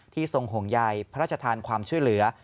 ทรงห่วงใยพระราชทานความช่วยเหลือ